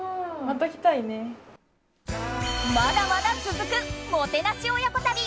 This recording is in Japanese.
まだまだ続くもてなし親子旅。